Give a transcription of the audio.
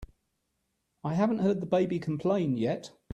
I haven't heard the baby complain yet.